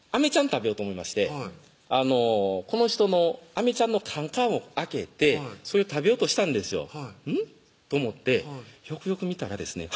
食べようと思いましてこの人のアメちゃんのカンカンを開けてそれを食べようとしたんですようん？と思ってよくよく見たらですね